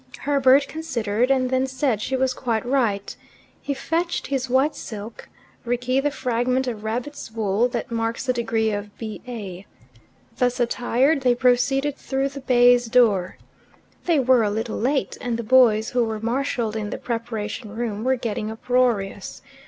Herbert considered, and them said she was quite right. He fetched his white silk, Rickie the fragment of rabbit's wool that marks the degree of B.A. Thus attired, they proceeded through the baize door. They were a little late, and the boys, who were marshalled in the preparation room, were getting uproarious.